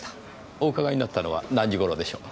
お伺いになったのは何時頃でしょう？